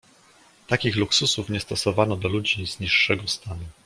"Takich luksusów nie stosowano do ludzi z niższego stanu."